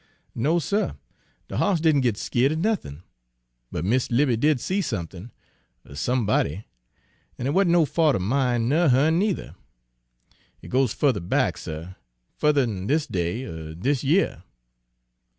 "No, suh, de hoss didn' git skeered at nothin', but Mis' 'Livy did see somethin', er somebody; an' it wa'n't no fault er mine ner her'n neither, it goes fu'ther back, suh, fu'ther dan dis day er dis year.